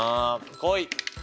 来い！